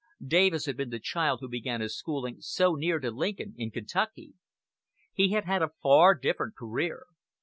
Davis had been the child who began his schooling so near to Lincoln in Kentucky. He had had a far different career.